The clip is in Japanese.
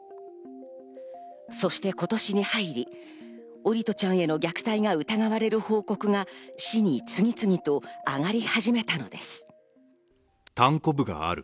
そして今年に入り、桜利斗ちゃんへの虐待が疑われる報告が市に次々とあがり始めたのです。